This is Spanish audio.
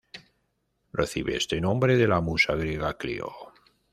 Recibe este nombre de la musa griega Clío.